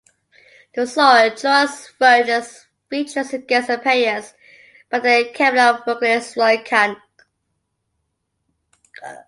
The song "Trois Vierges" features a guest appearance by then Kamelot vocalist Roy Khan.